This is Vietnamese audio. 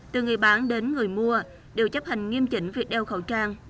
từ người bán đến người mua đều chấp hành nghiêm chỉnh việc đeo khẩu trang